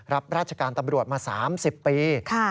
รับราชการตำรวจมา๓๐ปี